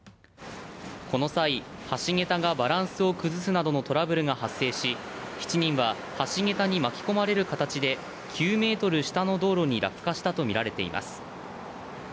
この際、橋げたがバランスを崩すなどのトラブルが発生し、１人は橋げたに巻き込まれる形で、９ｍ下の道路に落下したとみられています。